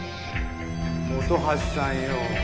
本橋さんよ。